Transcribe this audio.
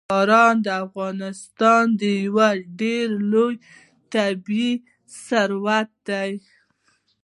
باران د افغانستان یو ډېر لوی طبعي ثروت دی.